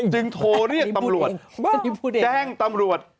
จึงโทรเรียกตำรวจแจ้งตำรวจ